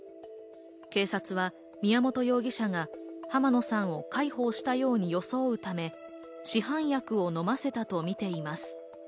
警察は宮本容疑者が浜野さんを介抱したように装うため、市販薬を飲ませたとみています。